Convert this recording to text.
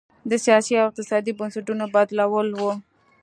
د سیاسي او اقتصادي بنسټونو بدلول و.